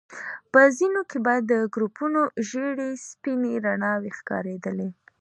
په ځينو کې به د ګروپونو ژيړې او سپينې رڼاوي ښکارېدلې.